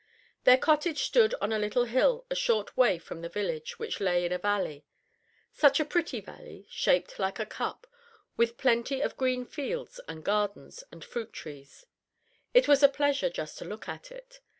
Their cottage stood on a little hill a short way from the village, which lay in a valley; such a pretty valley, shaped like a cup, with plenty of green fields and gardens, and fruit trees; it was a pleasure just to look at it.